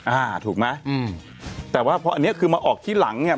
อ่าถูกไหมอืมแต่ว่าพออันเนี้ยคือมาออกที่หลังเนี้ย